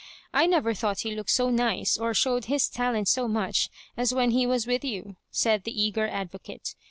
I never thought he looked so nice, or showed his talent so much, as when he was with you/' said the eager advo cate.